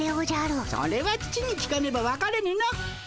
それは父に聞かねばわからぬの。